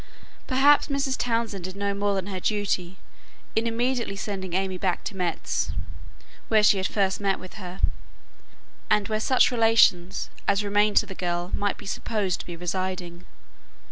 Perhaps Mrs. Townshend did no more than her duty in immediately sending AimÄe back to Metz, where she had first met with her, and where such relations as remained to the girl might be supposed to be residing.